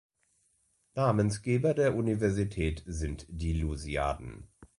Namensgeber der Universität sind die Lusiaden.